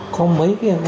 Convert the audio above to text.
có mấy cái